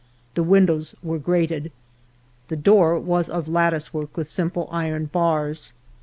The windows were grated. The door was of lattice work with simple iron bars.